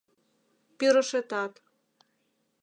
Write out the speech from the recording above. Пӱрышетат